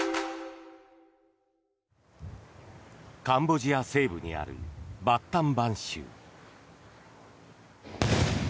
カンボジア西部にあるバッタンバン州。